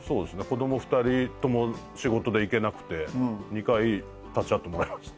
子供２人とも仕事で行けなくて２回立ち会ってもらいました。